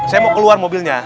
saya mau keluar mobilnya